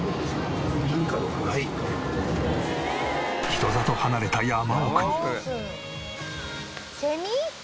人里離れた山奥に。